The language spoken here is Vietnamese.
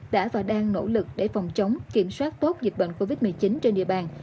đã và đang nỗ lực để phòng chống kiểm soát tốt dịch bệnh covid một mươi chín trên địa bàn